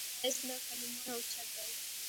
ښایست له کلمو نه اوچت دی